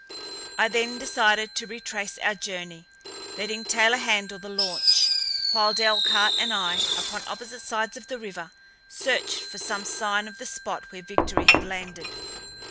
I then decided to retrace our journey, letting Taylor handle the launch, while Delcarte and I, upon opposite sides of the river, searched for some sign of the spot where Victory had landed.